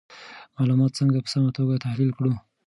معلومات څنګه په سمه توګه تحلیل کړو؟